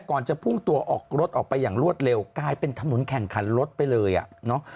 จะพุ่งตัวออกรถออกไปอย่างรวดเร็วกลายเป็นถนนแข่งขันรถไปเลยอ่ะเนาะ